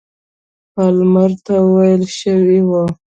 پالمر ته ویل شوي وه.